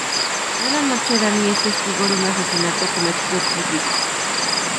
Una noche Danny es testigo de un asesinato cometido por Rick.